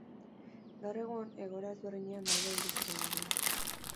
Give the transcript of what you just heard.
Gaur egun, egoera ezberdinean daude hiru kirolariak.